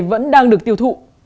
vẫn đang được tiêu thụ